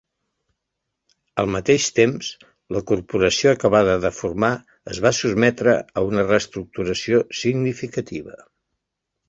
Al mateix temps, la Corporació acabada de formar es va sotmetre a una reestructuració significativa.